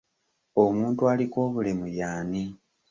Omuntu aliko obulemu y'ani?